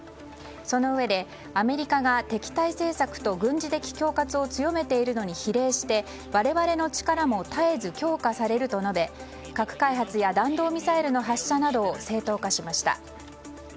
そのうえでアメリカが敵対政策と軍事的恐喝を強めているのに比例して我々の力も絶えず強化されると述べ核開発や弾道ミサイルの発射などを正当化しました。